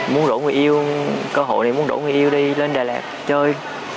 muốn đổ người yêu cơ hội này muốn đổ người yêu đi lên đà lạt chơi